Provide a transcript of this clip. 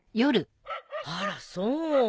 あらそう。